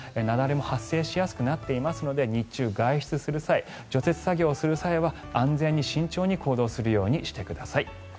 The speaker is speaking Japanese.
雪崩も発生しやすくなっていますので日中、外出する際除雪作業をする際は安全に慎重に行動するようにしてください。